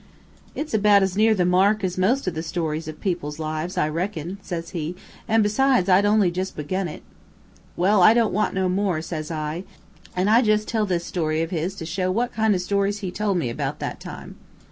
"'It's about as near the mark as most of the stories of people's lives, I reckon,' says he, 'an' besides I'd only jus' begun it.' "'Well, I don't want no more,' says I, an' I jus' tell this story of his to show what kind of stories he told about that time.